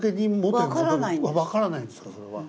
分からないんですかそれは。